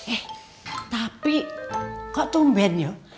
eh tapi kok tumben yo